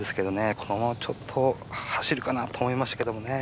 このままちょっと走るかなと思いましだけどね